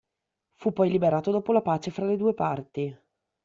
Fu poi liberato dopo la pace fra le due parti.